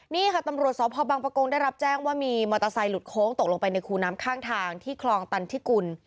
นี่ค่ะตำรวจสพบังปะโกงได้รับแจ้งว่ามีมอเตอร์ไซคุดโค้งตกลงไปในคูน้ำข้างทางที่คลองตันทิกุล